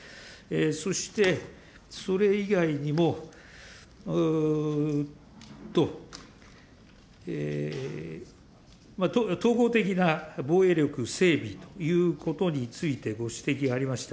そしてそれ以外にも、統合的な防衛力整備ということについてご指摘がありました。